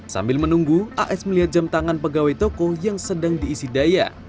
sambil menunggu as melihat jam tangan pegawai toko yang sedang diisi daya